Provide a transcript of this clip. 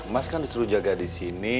mas kan disuruh jaga di sini